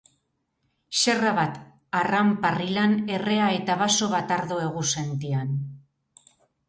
Xerra bat arranparrilan errea eta baso bat ardo egunsentian.